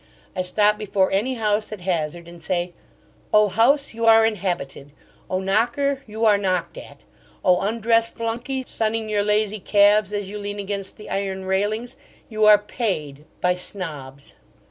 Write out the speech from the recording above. I stop before any house at hazard, and say, 'O house, you are inhabited O knocker, you are knocked at O undressed flunkey, sunning your lazy calves as you lean against the iron railings, you are paid by Snobs.'